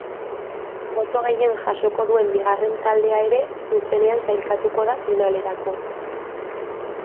Boto gehien jasoko duen bigarren taldea ere zuzenean sailkatuko da finalerako.